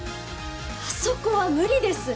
あそこは無理です